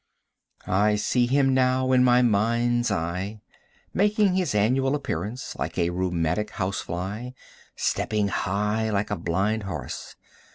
I see him now in my mind's eye, making his annual appearance like a rheumatic housefly, stepping high like a blind horse.